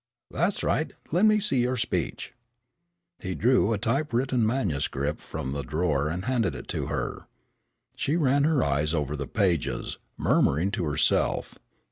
"That's right. Let me see your speech." He drew a typewritten manuscript from the drawer and handed it to her. She ran her eyes over the pages, murmuring to herself.